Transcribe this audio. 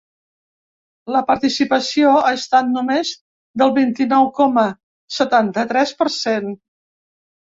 La participació ha estat només del vint-i-nou coma setanta-tres per cent.